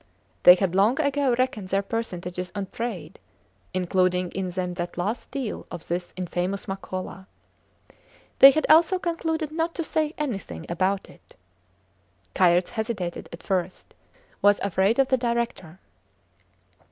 They had long ago reckoned their percentages on trade, including in them that last deal of this infamous Makola. They had also concluded not to say anything about it. Kayerts hesitated at first was afraid of the Director.